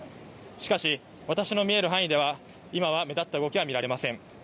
しかし私の見える範囲では今は目立った動きは見られません。